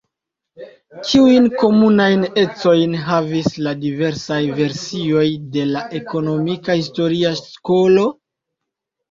Kiujn komunajn ecojn havis la diversaj versioj de la ekonomika historia skolo?